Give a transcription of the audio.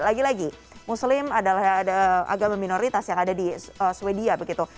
lagi lagi muslim adalah agama minoritas yang ada di swedia begitu